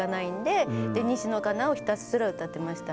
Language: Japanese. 西野カナをひたすら歌ってました。